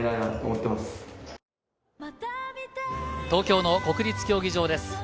東京の国立競技場です。